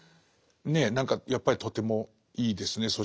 ねえ何かやっぱりとてもいいですね。